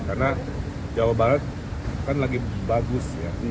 karena jawa barat kan lagi bagus ya